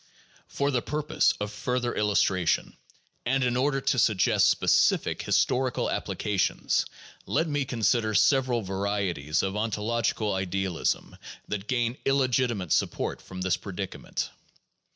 For the purpose of further illustration, and in order to suggest specific historical applications, let me consider several varieties of ontological idealism that gain illegitimate support from this predica ment.